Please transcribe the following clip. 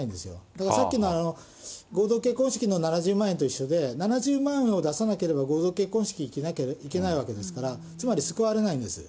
だからさっきの合同結婚式の７０万円と一緒で、７０万を出さなければ合同結婚式にいけないわけですから、つまり救われないんです。